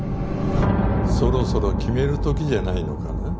そろそろ決めるときじゃないのかな？